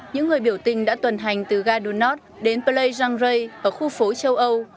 những người biểu tình đã tuần hành từ gadunod đến plejangre ở khu phố châu âu